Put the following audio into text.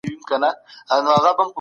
چې يو بل سره مينه وکړو.